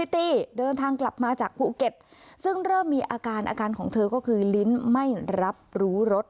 ที่มีอาการอาการของเธอก็คือลิ้นไม่รับรู้รถ